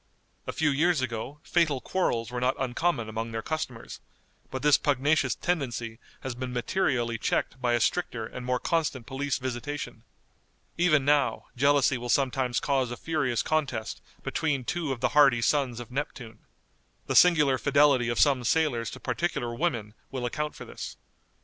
A few years ago fatal quarrels were not uncommon among their customers, but this pugnacious tendency has been materially checked by a stricter and more constant police visitation. Even now, jealousy will sometimes cause a furious contest between two of the hardy sons of Neptune. The singular fidelity of some sailors to particular women will account for this.